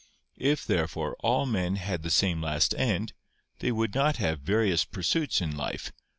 If, therefore, all men had the same last end, they would not have various pursuits in life.